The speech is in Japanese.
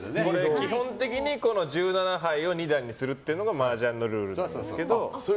基本的に１７牌を２段にするというのがマージャンのルールなんですが。